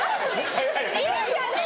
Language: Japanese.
いいじゃない！